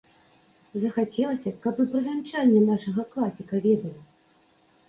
Захацелася, каб і пра вянчанне нашага класіка ведалі.